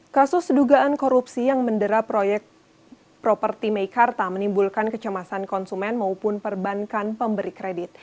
kasus dugaan korupsi yang mendera proyek properti meikarta menimbulkan kecemasan konsumen maupun perbankan pemberi kredit